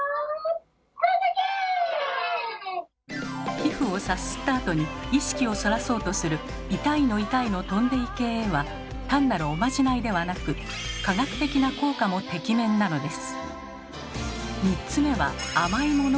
皮膚をさすったあとに意識をそらそうとする「痛いの痛いの飛んでいけ」は単なるおまじないではなく科学的な効果もてきめんなのです。